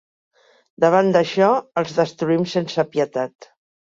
Davant d'això, els destruïm sense pietat.